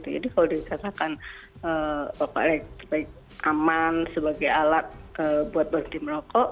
jadi kalau dikatakan rokok elektrik aman sebagai alat buat berhenti merokok